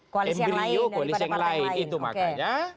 koalisi yang lain